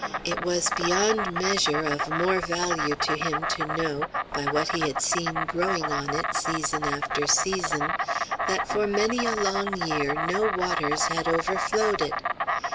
It was beyond measure of more value to him to know, by what he had seen growing on it season after season, that for many a long year no waters had overflowed it.